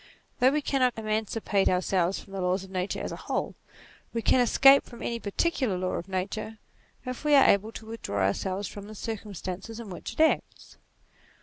Though we cannot emancipate ourselves from the laws of nature as a whole, we can escape from any particular law of nature, if we are able to withdraw ourselves from the circumstances in which it acts.